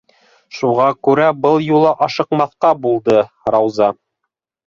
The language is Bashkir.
Шуға күрә был юлы ашыҡмаҫҡа булды Рауза.